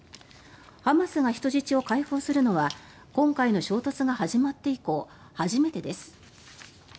ハマスが人質を解放するのは今回の衝突が始まって以降初めてです。